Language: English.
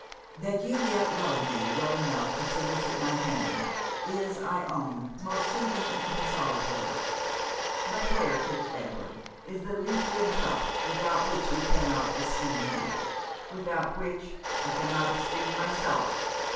'That you yet love me well enough to solicit my hand, is I own most soothing and consolatory: but where, Fitz Edward, is the Lethean cup, without which you cannot esteem me? without which, I cannot esteem myself?